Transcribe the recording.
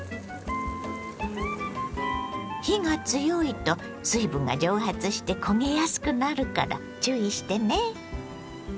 火が強いと水分が蒸発して焦げやすくなるから注意してね。